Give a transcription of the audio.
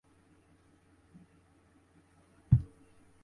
এক সফরে এক কাফেলার সাথে তাঁর সাক্ষাৎ হল।